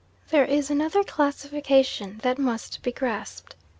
There is another classification that must be grasped.